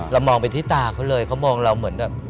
มองไปที่ตาเขาเลยเขามองเราเหมือนแบบ